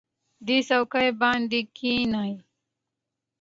دې څوکۍ باندې کېنئ.